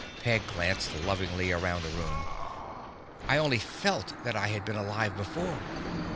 Peg glanced lovingly around the room. "I only felt that I had been alive before.